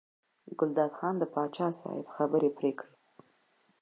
ګلداد خان د پاچا صاحب خبرې پرې کړې.